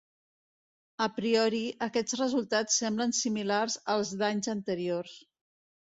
A priori aquests resultats semblen similars als d'anys anteriors.